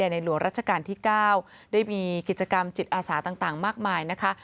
ในหลวงรัชกาลที่๙ได้มีกิจกรรมจิตอาสาต่างมากมายนะคะ